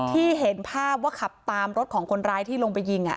ที่เห็นภาพว่าขับตามรถของคนร้ายที่ลงไปยิง